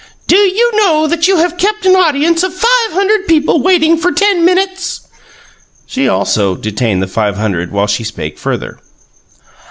"Do you know that you have kept an audience of five hundred people waiting for ten minutes?" She, also, detained the five hundred while she spake further.